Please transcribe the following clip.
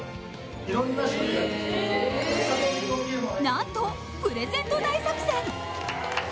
なんと、プレゼント大作戦。